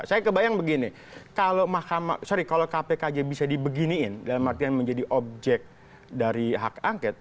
saya kebayang begini kalau mahkamah sorry kalau kpk aja bisa dibeginiin dalam artian menjadi objek dari hak angket